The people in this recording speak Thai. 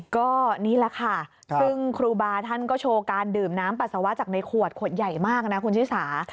ก็นี่แหละค่ะซึ่งครูบาท่านก็โชว์การดื่มน้ำปัสสาวะจากในขวดขวดใหญ่มากนะคุณชิสา